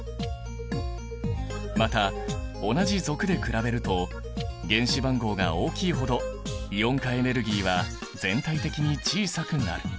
また同じ族で比べると原子番号が大きいほどイオン化エネルギーは全体的に小さくなる。